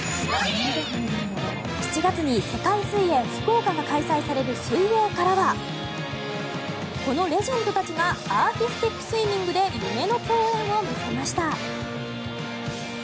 ７月に世界水泳福岡が開催される水泳からはこのレジェンドたちがアーティスティックスイミングで夢の競演を見せました。